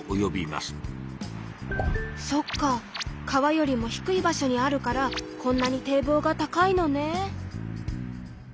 そっか川よりも低い場所にあるからこんなに堤防が高いのね。